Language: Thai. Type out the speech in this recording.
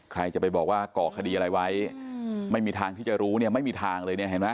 ใครจะไปบอกว่าก่อคดีอะไรไว้ไม่มีทางที่จะรู้เนี่ยไม่มีทางเลยเนี่ยเห็นไหม